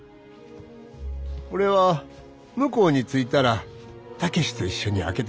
「これは向こうについたら武志と一緒に開けてくれ。